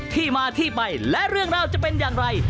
ที่มาที่ไปและเรื่องราวจะเป็นอย่างไร